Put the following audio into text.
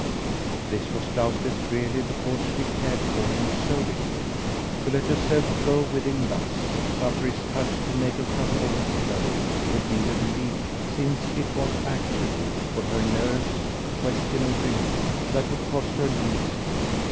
This was doubtless really because she cared for him so little; to let herself go with him thus, suffer his touch to make her cup overflow, would be the relief since it was actually, for her nerves, a question of relief that would cost her least.